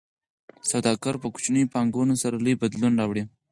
سوداګر په کوچنیو پانګونو سره لوی بدلون راوړي.